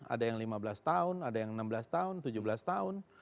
ada yang lima belas tahun ada yang enam belas tahun tujuh belas tahun